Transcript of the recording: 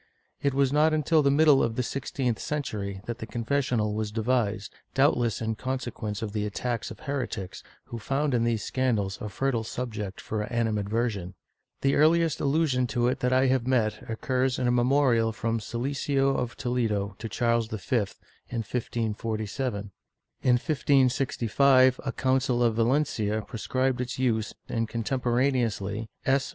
It was not until the middle of the sixteenth century that the confessional was devised, doubtless in consequence of the attacks of heretics, who found in these scandals a fertile subject of animadversion. The earliest allusion to it that I have met occurs in a memorial from Siliceo of Toledo to Charles V, in 1547.^ In 15G5 a Council of Valencia prescribed its use and contemporaneously S.